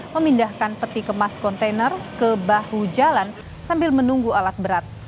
memindahkan peti kemas kontainer ke bahu jalan sambil menunggu alat berat